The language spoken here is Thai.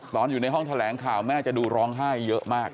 ตอนอยู่ในห้องแถลงข่าวแม่จะดูร้องไห้เยอะมาก